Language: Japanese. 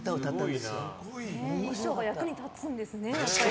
衣装が役に立つんですね。